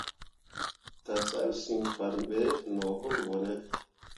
Tǝsalsyiŋfanne be no wul ɓo ne.